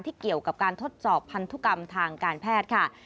เกี่ยวกับการทดสอบพันธุกรรมทางการแพทย์ค่ะ